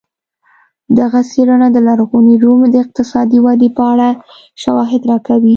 دغه څېړنه د لرغوني روم د اقتصادي ودې په اړه شواهد راکوي